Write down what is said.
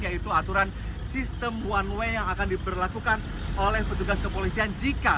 dan juga aturan sistem one way yang akan diberlakukan oleh petugas kepolisian